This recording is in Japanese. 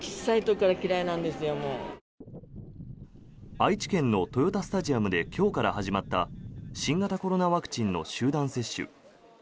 愛知県の豊田スタジアムで今日から始まった新型コロナワクチンの集団接種。